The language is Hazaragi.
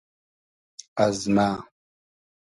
از مۂ